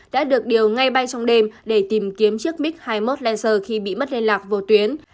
đã được điều ngay bay trong đêm để tìm kiếm chiếc mig hai mươi một lan se khi bị mất liên lạc vô tuyến